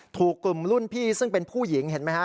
ถูกกลุ่มรุ่นพี่ซึ่งเป็นผู้หญิงเห็นไหมฮะ